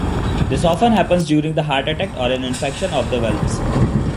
This often happens during a heart attack or an infection of the valves.